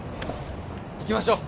行きましょう。